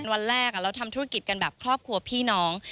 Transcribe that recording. วันแรกเราทำธุรกิจกันแบบครอบครัวพี่น้อง